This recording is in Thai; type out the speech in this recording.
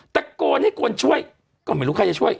ตะโกนให้คนช่วยก็ไม่รู้ใครจะช่วย